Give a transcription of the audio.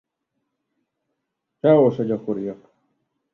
Sehol sem gyakoriak.